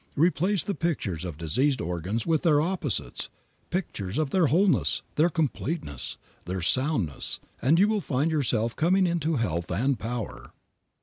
Replace the pictures of diseased organs with their opposites, pictures of their wholeness, their completeness, their soundness, and you will find yourself coming into health and power.